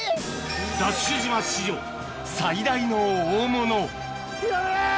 ＤＡＳＨ島史上最大の大物ヒラメ！